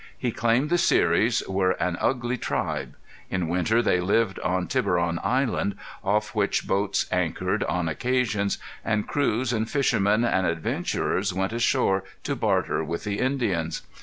He claimed the Seris were an ugly tribe. In winter they lived on Tiburon Island, off which boats anchored on occasions, and crews and fishermen and adventurers went ashore to barter with the Indians.